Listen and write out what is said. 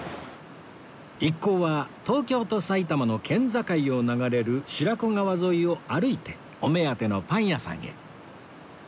一行は東京と埼玉の県境を流れる白子川沿いを歩いてお目当てのパン屋さんへ